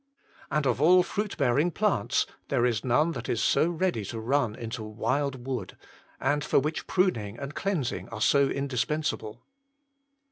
And of all fruitbearing plants there is none that is so ready to run into wild wood, and for which pruning arid cleansing are so indispensable.